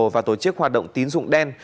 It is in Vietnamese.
và tổ chức hoạt động tín dụng đen